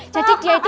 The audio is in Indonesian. jadi dia itu